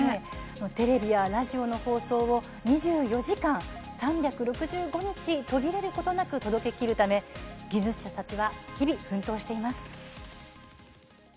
テレビやラジオの放送を２４時間、３６５日途切れることなく届けきるために技術者たちは日々奮闘しています。